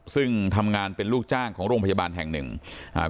ซึ่งทำงานเป็นลูกจ้างของโรงพยาบาลแห่งหนึ่งอ่า